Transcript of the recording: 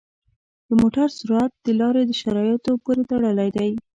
د موټر سرعت د لارې شرایطو پورې تړلی دی.